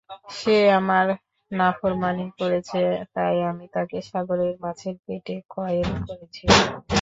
সে আমার নাফরমানী করেছে তাই আমি তাকে সাগরের মাছের পেটে কয়েদ করেছি।